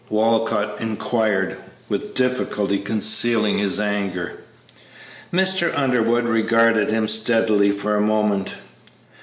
Walcott inquired, with difficulty concealing his anger. Mr. Underwood regarded him steadily for a moment.